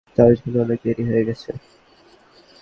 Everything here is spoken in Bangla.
তার জন্য অনেক দেরি হয়ে গেছে।